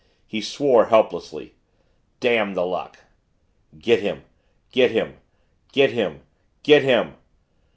He swore helplessly, "Damn the luck!" "Get him get him get him get him!"